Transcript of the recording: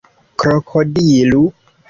krokodilu